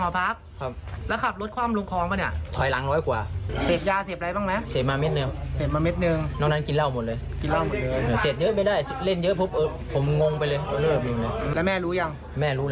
ไปเอาคืนเอาเอาขึ้นจะได้เท่าไหร่ล์